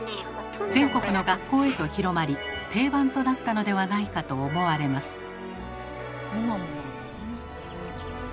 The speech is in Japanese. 全国の学校へと広まり定番となったのではないかと思われます。